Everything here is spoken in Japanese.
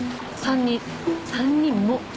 ３人３人も！